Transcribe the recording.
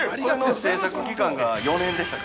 ◆製作期間が４年でしたか。